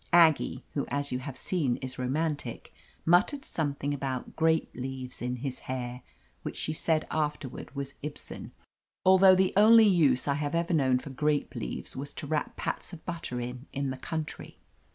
Aggie, who, as you have seen, is romantic, muttered something about "grape leaves in his hair," which she said after ward was Ibsen, although the only use I have ever known for grape leaves was to wrap pats of butter in, in the country.